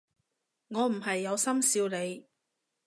我唔係有心笑你